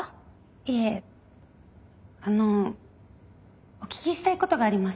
いえあのお聞きしたいことがあります。